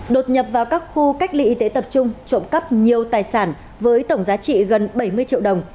đột nhập vào các khu cách ly y tế tập trung trộm cắp nhiều tài sản với tổng giá trị gần bảy mươi triệu đồng